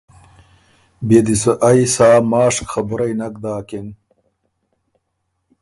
بيې دی سو ائ سا ماشک خبُرئ نک داکِن